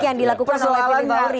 yang dilakukan oleh pnri